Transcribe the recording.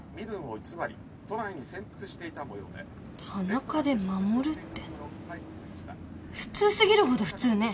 「田中」で「守」って普通過ぎるほど普通ね。